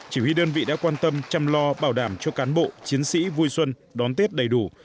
chỉ huy đơn vị đã quan tâm chăm lo bảo đảm cho cán bộ chiến sĩ vui xuân đón tết đầy đủ